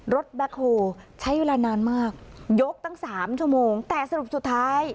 แบ็คโฮลใช้เวลานานมากยกตั้งสามชั่วโมงแต่สรุปสุดท้าย